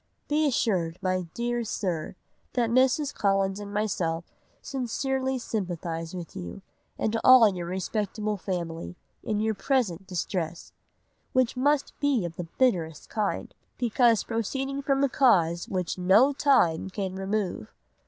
Be assured, my dear sir, that Mrs. Collins and myself sincerely sympathise with you, and all your respectable family, in your present distress, which must be of the bitterest kind, because proceeding from a cause which no time can remove.